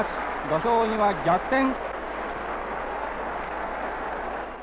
土俵際、逆転。